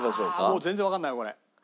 もう全然わかんないわこれ。